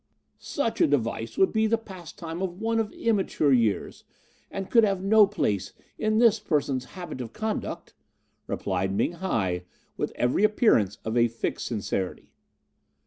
"'Such a device would be the pastime of one of immature years, and could have no place in this person's habit of conduct,' replied Ming hi, with every appearance of a fixed sincerity.